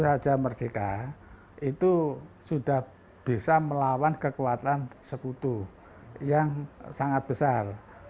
raja merdeka itu sudah bisa melawan kekuatan sekutu yang sangat besar